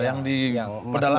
yang di pedalaman